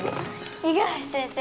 五十嵐先生